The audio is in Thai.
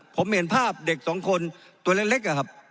ผมเห็นภาพเด็กสองคนตัวเล็กอะครับ